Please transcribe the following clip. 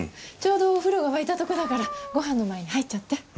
ちょうどお風呂が沸いたところだからご飯の前に入っちゃって。